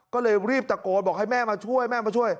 ก็เลยรีบตะโกนบอกให้แม่มาช่วยแม่มาช่วย